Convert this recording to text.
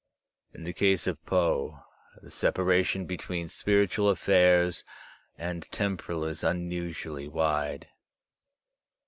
In the case of Poe the separation between spiritual aflFairs and temporal is unusually .wide.